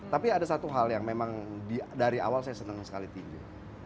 tapi ada satu hal yang memang dari awal saya senang sekali tinju